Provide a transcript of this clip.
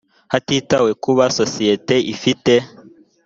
hatitawe ku kuba sosiyete ifite